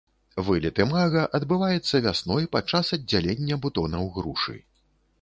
Вылет імага адбываецца вясной падчас аддзялення бутонаў грушы.